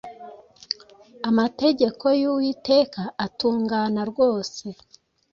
Amategeko y’Uwiteka atungana rwose,